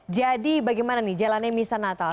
jadi bagaimana nih jalannya misa natal